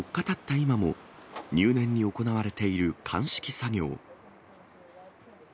今も、入念に行われている鑑識作業。